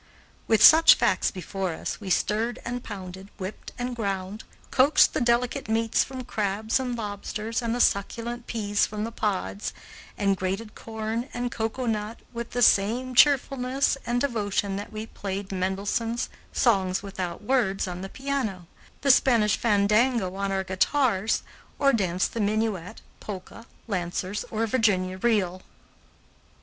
With such facts before us, we stirred and pounded, whipped and ground, coaxed the delicate meats from crabs and lobsters and the succulent peas from the pods, and grated corn and cocoanut with the same cheerfulness and devotion that we played Mendelssohn's "Songs Without Words" on the piano, the Spanish Fandango on our guitars, or danced the minuet, polka, lancers, or Virginia reel.